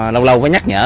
lâu lâu phải nhắc nhở